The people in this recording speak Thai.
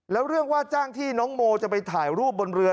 แล้วเรื่องว่าจ้างที่น้องโมจะไปถ่ายรูปบนเรือ